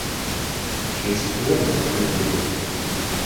Čia įsikūrė nemažai hujų.